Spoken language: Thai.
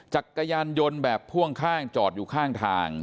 จักรยานยนต์แบบพ่วงข้างจอดอยู่ข้างทาง